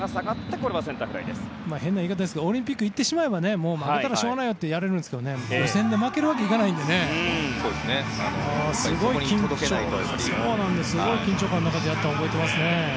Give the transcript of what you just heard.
変な言い方ですがオリンピックに行ってしまえば負けたらしょうがないよってやれるんですけど予選で負けるわけにはいかないのですごい緊張感の中でやったのを覚えていますね。